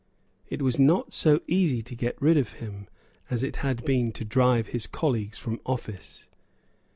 It was not so easy to get rid of him as it had been to drive his colleagues from office.